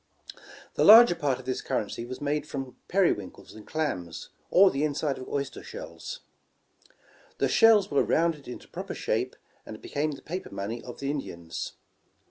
The larger part of this currency was made from peri winkles and clams, or the inside of oyster shells. The shells were rounded into proper shape, and became the paper money of the Indians.